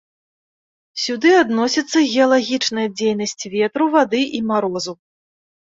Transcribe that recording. Сюды адносіцца геалагічная дзейнасць ветру, вады і марозу.